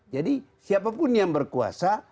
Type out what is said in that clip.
jadi siapapun yang berkuasa